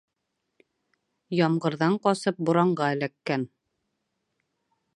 Ямғырҙан ҡасып, буранға эләккән.